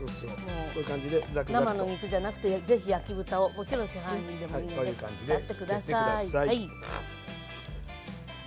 もう生の肉じゃなくて是非焼き豚をもちろん市販品でもいいので使って下さい。